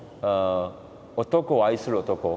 男を愛する男。